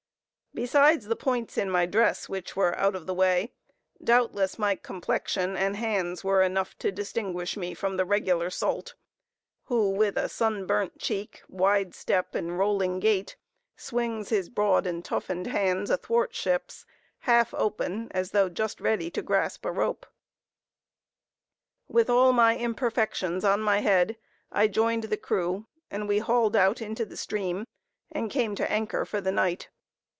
Besides the points in my dress which were out of the way, doubtless my complexion and hands were enough to distinguish me from the regular salt, who, with a sunburnt cheek, wide step, and rolling gait, swings his broad and toughened hands athwart ships, half open, as though just ready to grasp a rope. "With all my imperfections on my head," I joined the crew, and we hauled out into the stream, and came to anchor for the night.